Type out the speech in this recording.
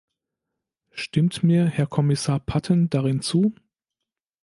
Stimmt mir Herr Kommissar Patten darin zu?